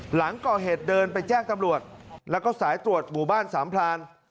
หลังก่อเหตุเดินไปแจ้งตำรวจแล้วก็สายตรวจหมู่บ้านสามพลาน